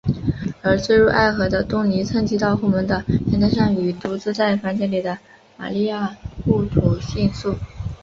而坠入爱河的东尼趁机到后门的阳台上与独自在房间的玛利亚互吐情愫。